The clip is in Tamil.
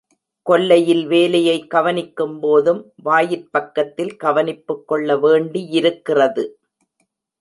கொல்லையில் வேலையை கவனிக்கும்போதும், வாயிற்பக்கத்தில் கவனிப்புக் கொள்ளவேண்டியிருக்கிறது.